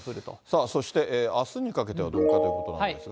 さあ、そしてあすにかけてはどうかということなんですが。